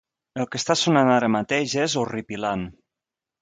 El que està sonant ara mateix és horripilant.